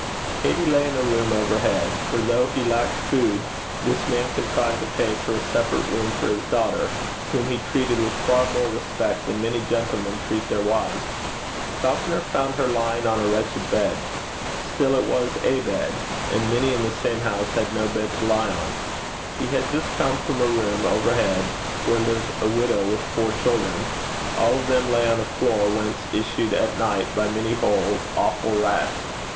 Katey lay in a room overhead; for though he lacked food, this man contrived to pay for a separate room for his daughter, whom he treated with far more respect than many gentlemen treat their wives. Falconer found her lying on a wretched bed. Still it was a bed; and many in the same house had no bed to lie on. He had just come from a room overhead where lived a widow with four children. All of them lay on a floor whence issued at night, by many holes, awful rats.